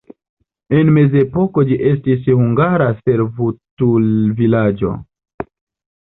En mezepoko ĝi estis hungara servutulvilaĝo.